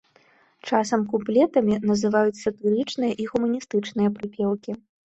Часам куплетамі называюць сатырычныя і гумарыстычныя прыпеўкі.